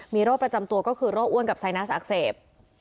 มีโรคประจำตัวก็คือโรคอ้วนกับไซนัสอักเสบ